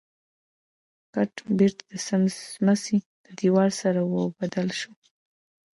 ګټ بېرته د سمڅې د دېوال سره واوبدل شو.